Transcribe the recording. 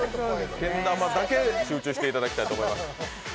けん玉だけに集中していただきたいと思います。